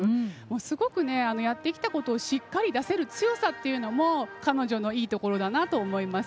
すごくやってきたことをしっかり出せる強さというのが彼女のいいところだなと思います。